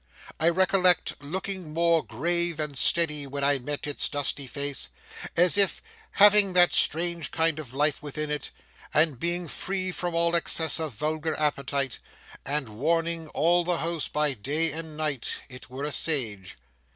I recollect looking more grave and steady when I met its dusty face, as if, having that strange kind of life within it, and being free from all excess of vulgar appetite, and warning all the house by night and day, it were a sage.